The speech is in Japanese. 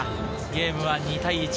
ゲームは２対１。